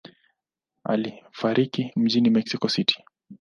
Alifariki mjini Mexico City.